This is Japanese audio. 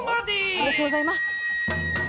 ありがとうございます。